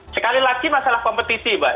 sekali lagi masalah kompetisi mbak